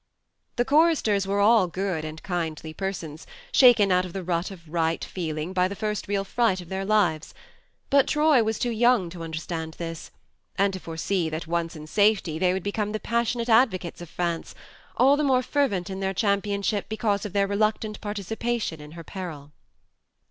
The choristers were all good and kindly persons, shaken out of the rut of right feeling by the first real fright of their lives. But Troy was too young to understand this, and to foresee that, once in safety, they would become the passionate advocates of France, all the more fervent in their championship because of their reluctant participation in her peril.